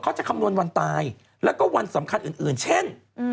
คำนวณวันตายแล้วก็วันสำคัญอื่นเช่น